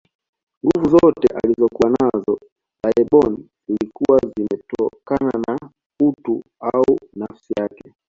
Nguvu zozote alizokuwa nazo laibon zilikuwa zimetokana na utu au nafsi yake